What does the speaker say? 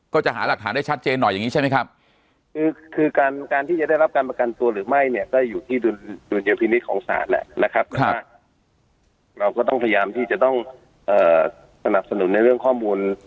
ครับครับเราก็ต้องพยายามที่จะต้องเอ่อสนับสนุนในเรื่องข้อมูล